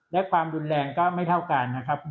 และความรุนแรงก็ไม่เท่ากันนะครับ